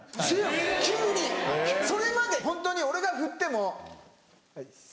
それまでホントに俺がふっても「っす」。